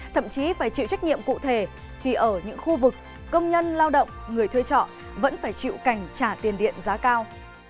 thậm chí phải chịu trách nhiệm cụ thể khi ở những khu vực công nhân lao động người thuê trọ vẫn phải chịu cảnh trả tiền điện giá cao